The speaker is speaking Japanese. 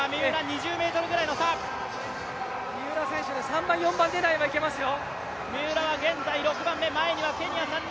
三浦選手、３番、４番狙いはいけますよ。